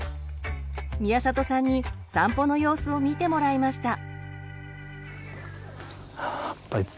宮里さんに散歩の様子を見てもらいました。